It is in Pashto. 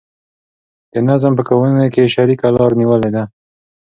د نظم په قوانینو کې یې شریکه لاره نیولې ده.